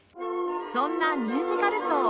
そんなミュージカルソー